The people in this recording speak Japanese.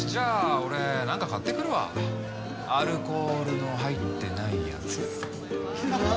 俺何か買ってくるわアルコールの入ってないやつ。